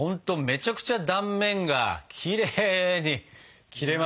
めちゃくちゃ断面がきれいに切れましたね。